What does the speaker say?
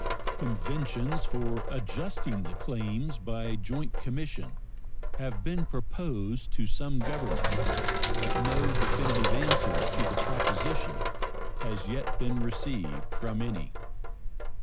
Conventions for adjusting the claims by joint commission have been proposed to some governments, but no definitive answer to the proposition has yet been received from any.